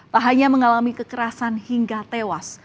tak hanya mengalami kekerasan hingga tewas